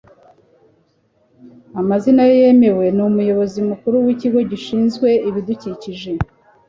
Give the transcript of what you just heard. amazina ye yemewe ni umuyobozi mukuru w'ikigo gishinzwe ibidukikije